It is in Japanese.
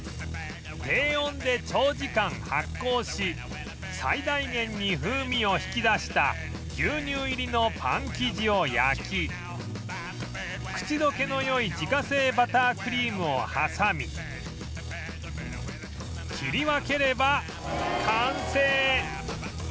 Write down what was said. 低温で長時間発酵し最大限に風味を引き出した牛乳入りのパン生地を焼き口溶けのよい自家製バタークリームを挟み切り分ければ完成